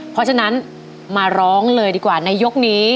เพราะฉะนั้นมาร้องเลยดีกว่าในยกนี้